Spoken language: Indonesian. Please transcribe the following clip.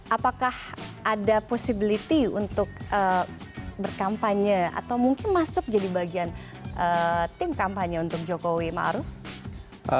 apakah ada possibility untuk berkampanye atau mungkin masuk jadi bagian tim kampanye untuk jokowi ⁇ maruf ⁇